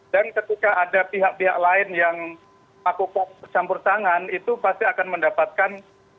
dan ketika ada pihak pihak lain yang aku persampur tangan itu pasti akan mendapatkan